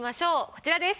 こちらです。